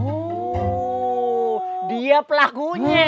oh dia pelakunya